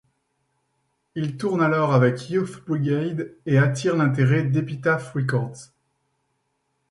Ils tournent alors avec Youth Brigade et attirent l'intérêt d'Epitaph Records.